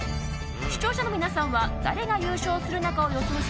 視聴者の皆さんは誰が優勝するのかを予想し